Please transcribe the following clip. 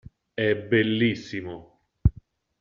È bellissimo!